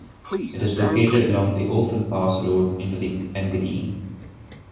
It is located along the Ofen Pass road into the Engadine.